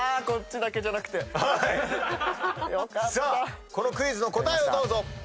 さあこのクイズの答えどうぞ。